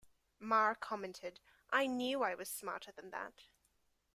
Marr commented, I knew I was smarter than that.